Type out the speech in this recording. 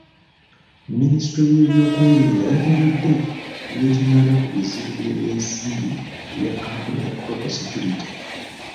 Minisitule y'ebyokwerinda yategedde ku biyitingana ku bizibu by'ebyensimbi ebya kkampuni ya Global Security.